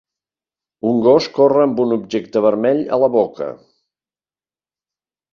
Un gos corre amb un objecte vermell a la boca.